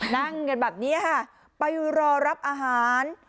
นั่งกันแบบนี้ค่ะไปรอรับอาหาร